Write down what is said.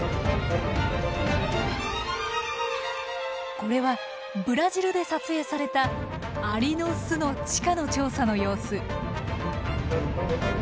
これはブラジルで撮影されたアリの巣の地下の調査の様子。